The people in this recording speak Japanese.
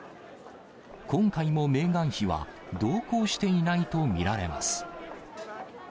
今回もメーガン妃は同行していないと見られます。